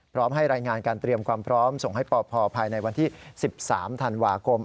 พร้อมให้รายงานการเตรียมความพร้อมส่งให้ปพภายในวันที่๑๓ธันวาคม